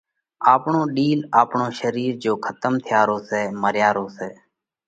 آپڻو ڏِيل آپڻو شرير جيو کتم ٿيا رو سئہ۔ مريا رو سئہ۔